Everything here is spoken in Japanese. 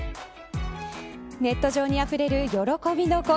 ネット上にあふれる喜びの声。